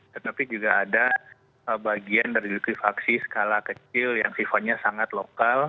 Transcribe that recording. tetapi juga ada bagian dari likuifaksi skala kecil yang sifatnya sangat lokal